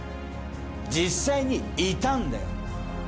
実際にいたんだよ。